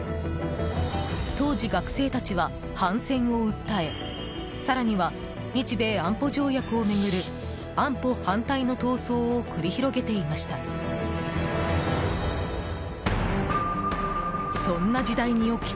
当時、学生たちは反戦を訴え更には日米安保条約を巡る安保反対の闘争を繰り広げていました。